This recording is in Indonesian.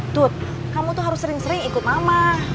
tut kamu tuh harus sering sering ikut mama